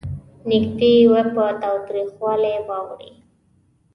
نږدې وه په تاوتریخوالي واوړي.